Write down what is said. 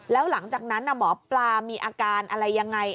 แล้วหลังจากนั้นหมอปลามีอาการอะไรยังไง